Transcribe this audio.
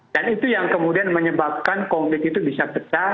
dan itu yang kemudian menyebabkan konflik itu bisa pecah